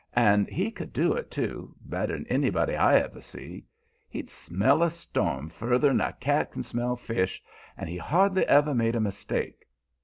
And he could do it, too, better'n anybody I ever see. He'd smell a storm further'n a cat can smell fish, and he hardly ever made a mistake.